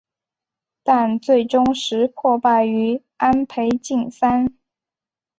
但最终石破败于安倍晋三。